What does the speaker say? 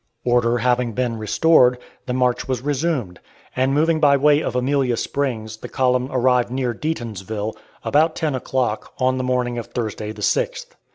Order having been restored, the march was resumed, and moving by way of Amelia Springs, the column arrived near Deatonsville, about ten o'clock, on the morning of Thursday the 6th.